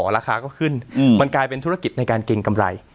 ราคาก็ขึ้นมันกลายเป็นธุรกิจในการเกรงกำไร